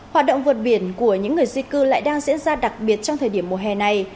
hoạt động vượt biển của những người di cư lại đang diễn ra đặc biệt trong thời điểm mùa hè này